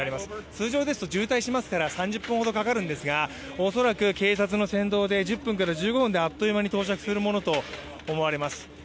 通常ですと渋滞しますから３０分ほどかかるんですが恐らく警察の先導で、１０分から１５分であっという間に到着するものと思われます。